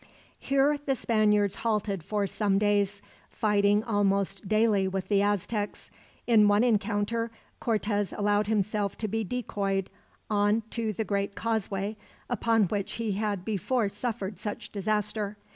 Here the Spaniards halted for some days, fighting almost daily with the Aztecs. In one encounter, Cortez allowed himself to be decoyed on to the great causeway, upon which he had before suffered such disaster.